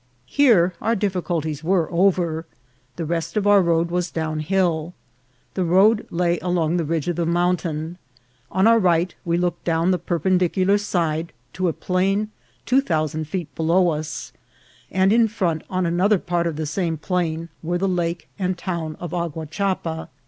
Here our dif ficulties were over ; the rest of our road was down hill. The road lay along the ridge of the mountain. On our right we looked down the perpendicular side to a plain two thousand feet below us ; and in front, on another part of the same plain, were the lake and town of Aguachapa.